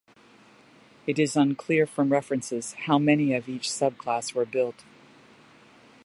It is unclear from references how many of each subclass were built.